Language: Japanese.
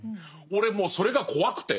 俺もうそれが怖くて。